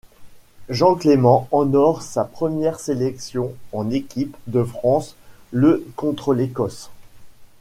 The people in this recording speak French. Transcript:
Jean Clément honore sa première sélection en équipe de France le contre l'Écosse.